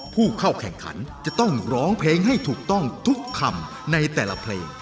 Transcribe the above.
ผู้เข้าแข่งขันจะต้องร้องเพลงให้ถูกต้องทุกคำในแต่ละเพลง